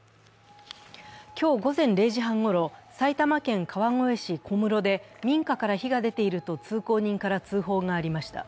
今日午前０時半ごろ、埼玉県川越市小室で民家から火が出ていると通行人から通報がありました。